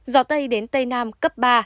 gió tây đến tây nam cấp ba